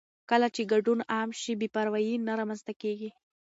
کله چې ګډون عام شي، بې پروايي نه رامنځته کېږي.